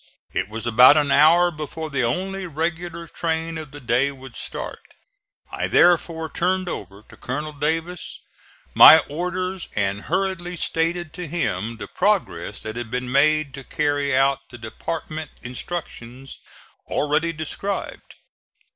It was about an hour before the only regular train of the day would start. I therefore turned over to Colonel Davis my orders, and hurriedly stated to him the progress that had been made to carry out the department instructions already described.